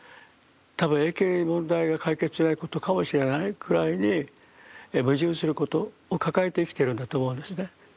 多分永久に問題が解決しないことかもしれないくらいに矛盾することを抱えて生きてるんだと思うんですね。